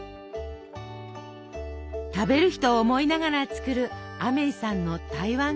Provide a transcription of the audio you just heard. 食べる人を思いながら作るアメイさんの台湾カステラ。